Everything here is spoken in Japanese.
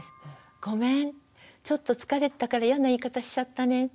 ごめんちょっと疲れてたからイヤな言い方しちゃったねって。